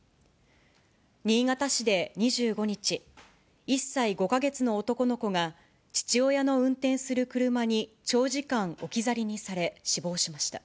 新潟市で２５日、１歳５か月の男の子が、父親の運転する車に長時間置き去りにされ、死亡しました。